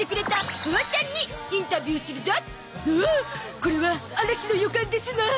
これは嵐の予感ですな！